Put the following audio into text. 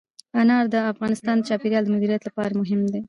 انار د افغانستان د چاپیریال د مدیریت لپاره مهم دي.